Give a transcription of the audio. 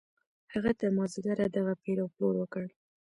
هغه تر مازديګره دغه پېر او پلور وکړ.